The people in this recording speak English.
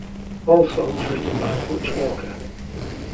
All songs written by Butch Walker.